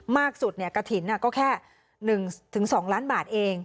มากสุดกระถิ่นก็แค่๑๒ล้านบาทเอง